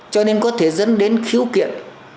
cho nên có thể dẫn đến khiếu kiện